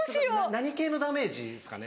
何系のダメージですかね？